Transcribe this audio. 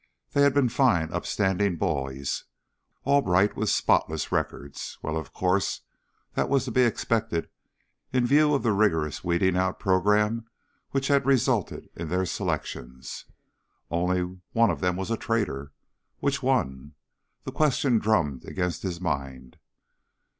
They had been fine, upstanding boys, all bright with spotless records. Well, of course that was to be expected in view of the rigorous weeding out program which had resulted in their selections. Only one of them was a traitor. Which one? The question drummed against his mind.